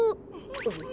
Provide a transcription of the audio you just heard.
・あっ